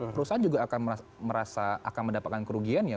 perusahaan juga akan merasa akan mendapatkan kerugian ya